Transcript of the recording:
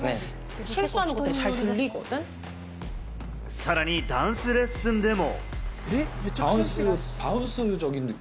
さらにダンスレッスンでも。